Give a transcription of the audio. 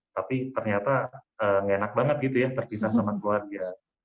tapi ternyata enak banget gitu ya terpisah sama keluarga